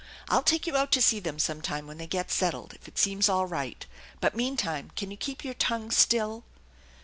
I'll take you out to see them sometime when they get settled if it seems all right, but meantime can you keep your tongue still